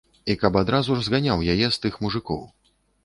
І каб адразу ж зганяў з яе тых мужыкоў.